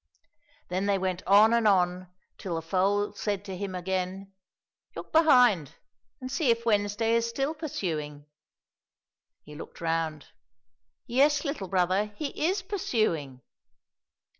Then they went on and on till the foal said to him again, " Look behind, and see if Wednesday is still pursuing !"— He looked round. *' Yes, little brother, he is pursuing